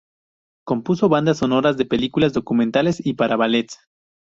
Compuso bandas sonoras de películas, documentales y para ballets.